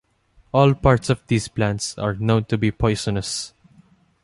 All parts of these plants are known to be poisonous.